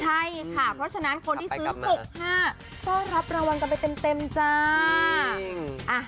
ใช่ค่ะเพราะฉะนั้นคนที่ซื้อ๖๕ก็รับรางวัลกันไปเต็มจ้า